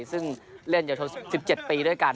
ซึ่งเล่นอยู่โชตร๑๗ปีด้วยกัน